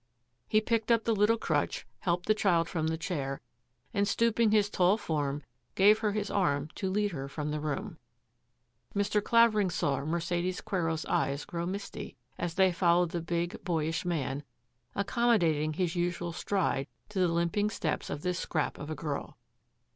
He picked up the little crutch, helped the child from the chair, and, stooping his tall form, gave her his arm to lead her from the room. Mr. Clavering saw Mercedes Quero's eyes grow misty as they followed the big, boyish man, ac commodating his usual stride to the limping steps of this scrap of a girl.